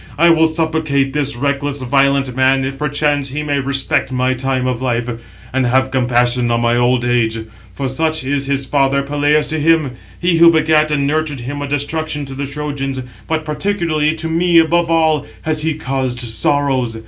I will supplicate this reckless, violent man, if perchance he may respect my time of life, and have compassion on my old age; for such is his father Peleus to him, he who begat and nurtured him a destruction to the Trojans; but particularly to me above all has he caused sorrows.